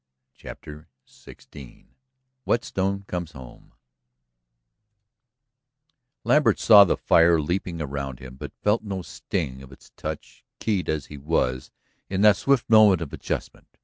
CHAPTER XVI WHETSTONE COMES HOME Lambert saw the fire leaping around him, but felt no sting of its touch, keyed as he was in that swift moment of adjustment.